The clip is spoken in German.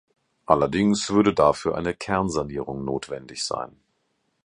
Allerdings würde dafür eine Kernsanierung notwendig sein.